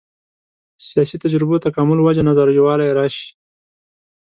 سیاسي تجربو تکامل وجه نظر یووالی راشي.